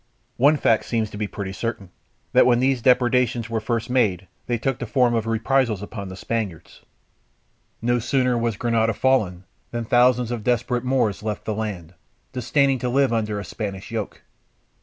One fact seems to be pretty certain, that when these depredations were first made, they took the form of reprisals upon the Spaniards. No sooner was Granada fallen, than thousands of desperate Moors left the land, disdaining to live under a Spanish yoke.